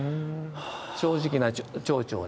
正直な町長に。